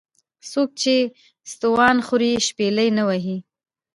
ـ څوک چې ستوان خوري شپېلۍ نه وهي .